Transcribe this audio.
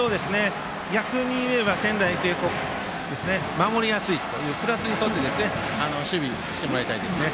逆に言えば仙台育英高校は守りやすいですのでプラスに考えて守備をしてもらいたいですね。